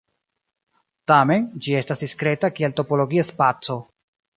Tamen, ĝi estas diskreta kiel topologia spaco.